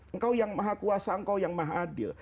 engkau yang maha kuasa engkau yang maha adil